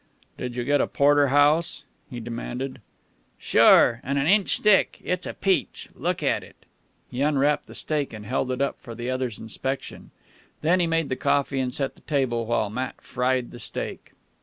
"Did you get a porterhouse?" he demanded. "Sure, an' an inch thick. It's a peach. Look at it." He unwrapped the steak and held it up for the other's inspection. Then he made the coffee and set the table, while Matt fried the steak.